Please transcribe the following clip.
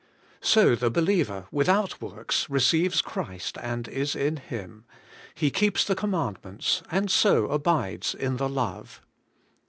So the believer, without works, receives Christ and is in Him; he keeps the com mandments, and so abides in the love.